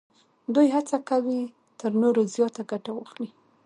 دوی هڅه کوي تر نورو زیاته ګټه واخلي